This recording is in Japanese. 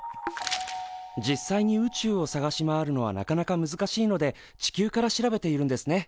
実際に宇宙を探し回るのはなかなか難しいので地球から調べているんですね。